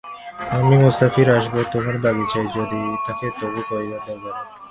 আমি মুসাফির আসব তোমার বাগিচায়, কথা যদি থাকে তবু কইবার দরকারই হবে না।